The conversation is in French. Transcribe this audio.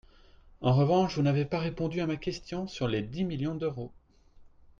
En revanche, vous n’avez pas répondu à ma question sur les dix millions d’euros.